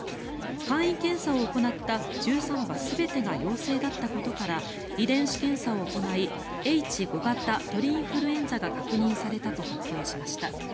簡易検査を行った１３羽全てが陽性だったことから遺伝子検査を行いＨ５亜型鳥インフルエンザが確認されたと発表しました。